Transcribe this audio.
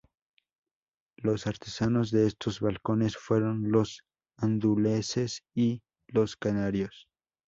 Los artesanos de estos balcones fueron los andaluces y los canarios.